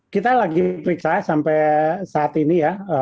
kita lagi periksa sampai saat ini ya